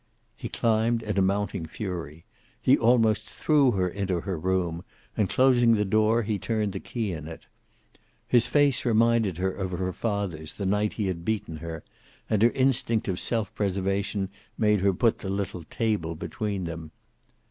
He climbed in a mounting fury. He almost threw her into her room, and closing the door, he turned the key in it. His face reminded her of her father's the night he had beaten her, and her instinct of self preservation made her put the little table between them.